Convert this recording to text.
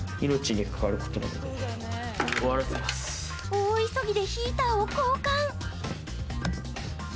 大急ぎでヒーターを交換。